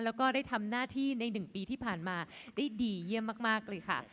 แล้วก็ได้ทำหน้าที่ใน๑ปีที่ผ่านมาได้ดีเยี่ยมมากเลยค่ะ